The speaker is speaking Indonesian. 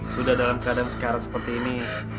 sudah dalam keadaan sekarang seperti ini